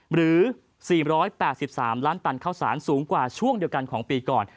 หรือ๔๘๓ล้านตันข้าวสารสูงกว่าช่วงเดียวกันของปีก่อน